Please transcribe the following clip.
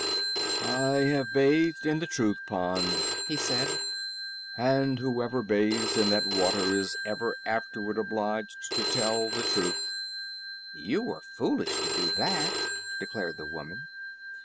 "I have bathed in the Truth Pond," he said, "and whoever bathes in that water is ever afterward obliged to tell the truth." "You were foolish to do that," declared the woman.